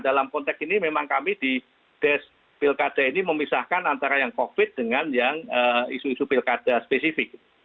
dalam konteks ini memang kami di des pilkada ini memisahkan antara yang covid dengan yang isu isu pilkada spesifik